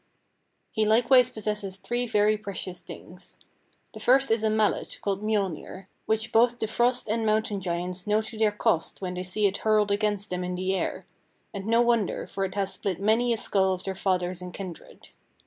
He likewise possesses three very precious things. The first is a mallet called Mjolnir, which both the Frost and Mountain Giants know to their cost when they see it hurled against them in the air; and no wonder, for it has split many a skull of their fathers and kindred.